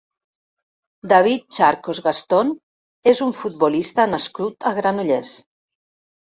David Charcos Gastón és un futbolista nascut a Granollers.